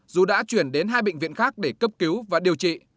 dù đã chuyển đến hai bệnh viện khác để cấp cứu và điều trị